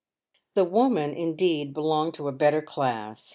The woman, indeed, belonged to a better class.